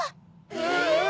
え